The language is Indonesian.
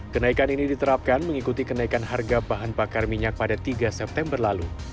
kenaikan ini diterapkan mengikuti kenaikan harga bahan bakar minyak pada tiga september lalu